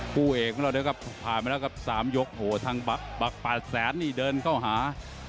กู้เอกเราพาไปแล้วกับ๓ยกทางบัก๘แสนนี่เดินเข้าหา